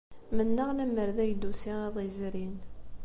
Mennaɣ lemmer d ay d-tusi iḍ yezrin.